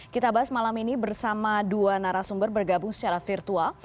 kita bahas malam ini bersama dua narasumber bergabung secara virtual